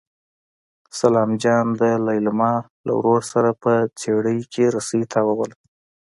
سلام جان د لېلما له ورور سره په څېړۍ کې رسۍ تاووله.